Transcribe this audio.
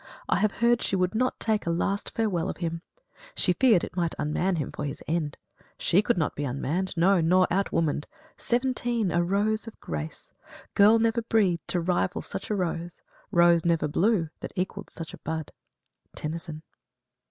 I have heard She would not take a last farewell of him; She feared it might unman him for his end. She could not be unmanned no, nor outwoman'd. Seventeen a rose of grace! Girl never breathed to rival such a rose; Rose never blew that equalled such a bud." TENNYSON.